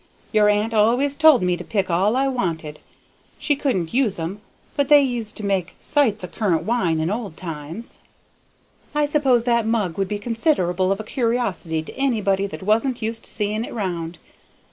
Your aunt always told me to pick all I wanted; she couldn't use 'em, but they used to make sights o' currant wine in old times. I s'pose that mug would be considerable of a curiosity to anybody that wasn't used to seeing it round.